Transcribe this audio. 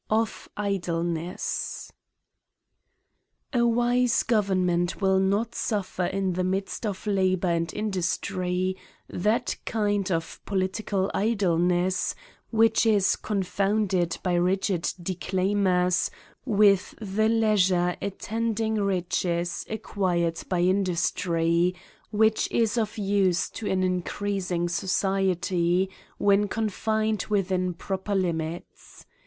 Of Idleness, A WISE government will not suffer in the midst of labour and industry, that kind of politi cal idleness which is confounded by rigid declaim ers with the leisure attending riches acquired by industry, which is of use to an increasing society when confined within proper limits.